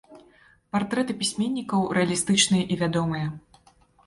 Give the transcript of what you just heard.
Партрэты пісьменнікаў рэалістычныя і вядомыя.